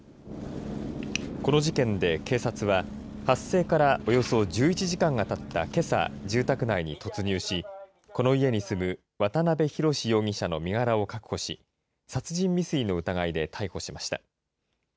この事件で警察は、発生からおよそ１１時間がたったけさ、住宅内に突入し、この家に住む渡邊宏容疑者の身柄を確保し、殺人未遂の疑いで逮捕しました。